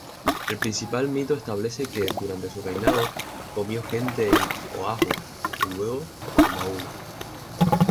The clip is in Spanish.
El principal mito establece que, durante su reinado, comió gente en Oahu, luego Maui.